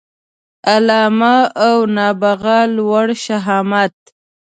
علامه او نابغه لوړ شهامت